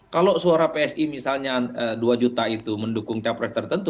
kalau suara psi misalnya dua juta itu mendukung capres tertentu